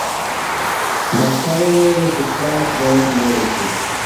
ډاکټر وویل چې پلاک باید لرې شي.